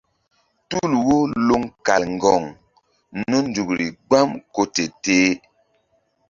Tul wo loŋ kal ŋgoŋ nun nzukri gbam ko te-teh.